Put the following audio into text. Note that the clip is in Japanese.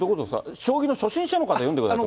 将棋の初心者の方、読んでくださいと。